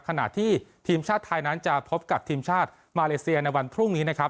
ขณะที่ทีมชาติไทยนั้นจะพบกับทีมชาติมาเลเซียในวันพรุ่งนี้นะครับ